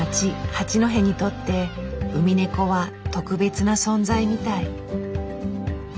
八戸にとってウミネコは特別な存在みたい。